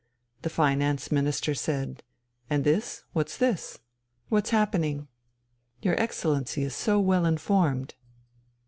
The Finance Minister said: "And this? What's this? What's happening? Your Excellency is so well informed."